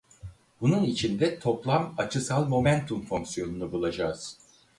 Bunun içinde toplam açısal momentum fonksiyonunu bulacağız.